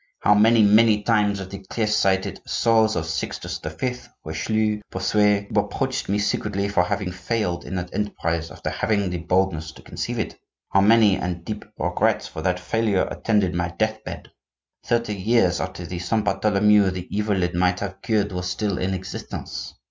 How many, many times have the clear sighted souls of Sixtus the Fifth, Richelieu, Bossuet, reproached me secretly for having failed in that enterprise after having the boldness to conceive it! How many and deep regrets for that failure attended my deathbed! Thirty years after the Saint Bartholomew the evil it might have cured was still in existence.